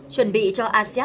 chuẩn bị cho asean một mươi tám